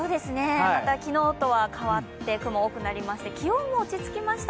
また昨日とは変わって雲が多くなりまして気温も落ち着きました。